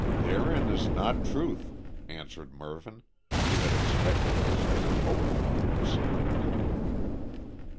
"Therein is not truth," answered Mervyn, who had expected this as an opening of the proceedings.